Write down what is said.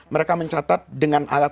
mereka mencatat dengan alat